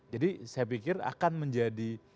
jadi saya pikir akan menjadi